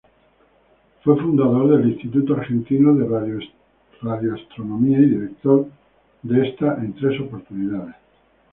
Fue fundador del Instituto Argentino de Radioastronomía y director de esta en tres oportunidades.